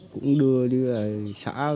cũng đưa xã